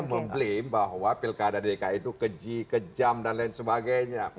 mengklaim bahwa pilkada dki itu keji kejam dan lain sebagainya